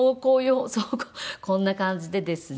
そうこんな感じでですね。